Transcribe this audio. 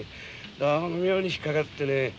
どうも妙に引っ掛かってね。